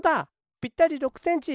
ぴったり６センチ！